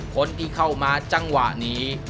คนที่เข้ามาจังหวะนี้